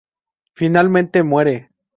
Finalmente muere.